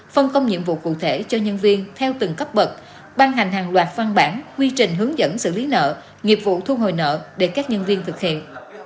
phân công nhiệm vụ cụ thể cho nhân viên theo từng cấp bậc ban hành hàng loạt văn bản quy trình hướng dẫn xử lý nợ nghiệp vụ thu hồi nợ để các nhân viên thực hiện